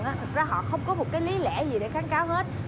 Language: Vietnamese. thật ra họ không có một cái lý lẽ gì để kháng cáo hết